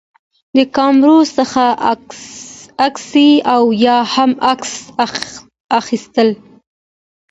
د کامرو څخه عکاسي او یا هم عکس اخیستل